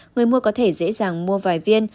người mua có thể dễ dàng mua vài viên